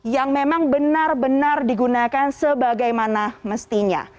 yang memang benar benar digunakan sebagaimana mestinya